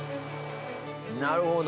なるほど。